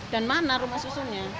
dan mana rumah susunnya